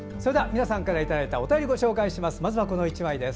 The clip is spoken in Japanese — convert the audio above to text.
皆さんからいただいたお便りをご紹介します。